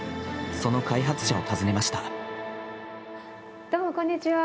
その開発者を訪ねました。